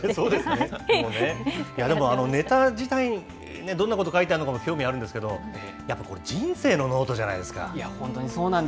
でも、ネタ自体、どんなことが書いてあるのかも興味あるんですけれども、やっぱりこれ、人生のノートじゃないですか。